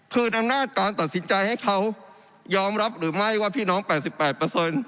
คืออำนาจการตัดสินใจให้เขายอมรับหรือไม่ว่าพี่น้อง๘๘เปอร์เซ็นต์